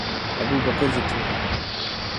ابوبکر جنتی ہیں